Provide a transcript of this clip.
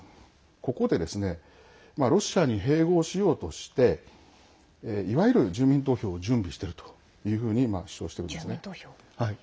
ここでロシアに併合しようとしていわゆる住民投票を準備しているというふうに主張しているんですね。